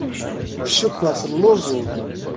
Cukkeɣ telluẓeḍ.